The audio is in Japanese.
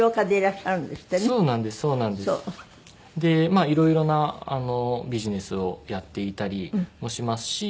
まあいろいろなビジネスをやっていたりもしますし。